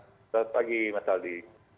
selamat pagi mas aldi